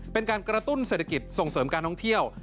เป็นการกระตุ้นเศรษฐกิจส่งเสริมการท่องเที่ยว